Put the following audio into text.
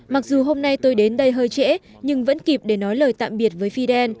mặc dù hôm nay tôi đến đây hơi trễ nhưng vẫn kịp để nói lời tạm biệt với fidel